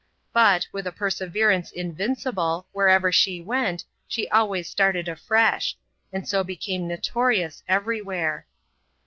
But, with a perseverance invincible, wherever she went^ she always started afresh ; and so became notorious every where.